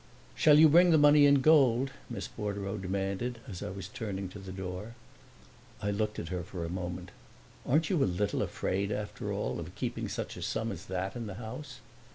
"Shall you bring the money in gold?" Miss Bordereau demanded, as I was turning to the door. I looked at her for a moment. "Aren't you a little afraid, after all, of keeping such a sum as that in the house?"